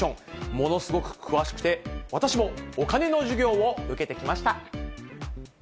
ものすごく詳しくて、私もお金の授業を受けてきました。